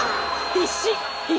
必死！